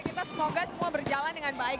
kita semoga semua berjalan dengan baik